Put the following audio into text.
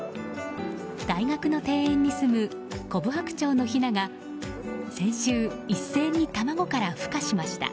大学の庭園に住むコブハクチョウのヒナが先週、一斉に卵から孵化しました。